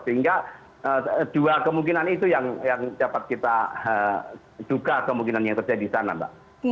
sehingga dua kemungkinan itu yang dapat kita duga kemungkinan yang terjadi di sana mbak